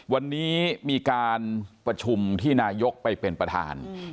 วันนี้มีการประชุมที่นายกไปเป็นประธาน